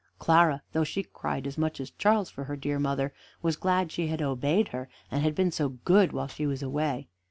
Clara, though she cried as much as Charles for her dear mother, was glad she had obeyed her, and been so good while she was away.